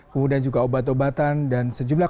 kemudian juga obat obatan dan sejumlah